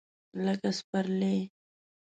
لکه سپرلی !